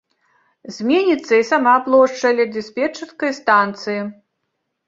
Зменіцца і сама плошча ля дыспетчарскай станцыі.